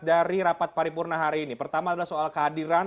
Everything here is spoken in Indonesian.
dari rapat paripurna hari ini pertama adalah soal kehadiran